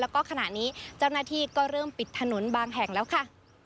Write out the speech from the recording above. แล้วก็ขณะนี้เจ้าหน้าที่ก็เริ่มปิดถนนบางแห่งแล้วค่ะ